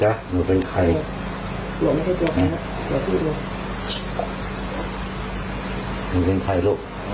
หนูเป็นใครจ๊ะหนูเป็นใคร